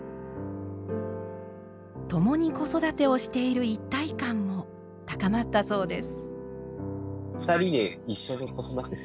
共に子育てをしている一体感も高まったそうです。